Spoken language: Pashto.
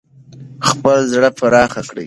خپل زړه پراخ کړئ.